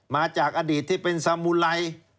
มาจากอดีตที่เป็นสมุไร